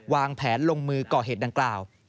วางแผนลงมือก่อเหตุดังกล่าว